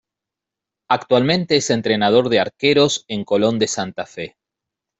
Actualmente es Entrenador de arqueros en Colón de Santa Fe.